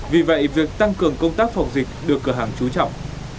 vì vậy việc tăng cường công tác phòng dịch được cửa hàng trú trọng